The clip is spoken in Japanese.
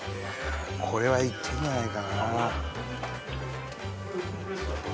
これはいってんじゃないかな